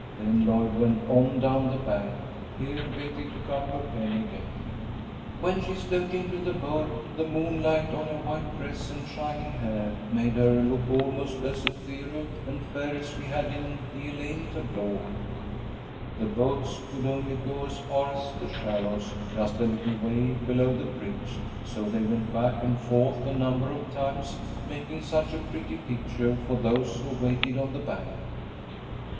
Then Lloyd went on down the bank. Here Betty took up her pen again. "When she stepped into the boat the moonlight on her white dress and shining hair made her look almost as ethereal and fair as she had in the Elaine tableau. The boats could only go as far as the shallows, just a little way below the bridge, so they went back and forth a number of times, making such a pretty picture for those who waited on the bank.